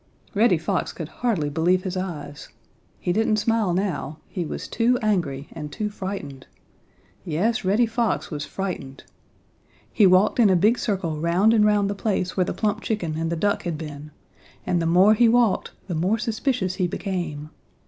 Reddy Fox could hardly believe his eyes. He didn't smile now. He was too angry and too frightened. Yes, Reddy Fox was frightened. He walked in a big circle round and round the place where the plump chicken and the duck had been, and the more he walked, the more suspicious he became.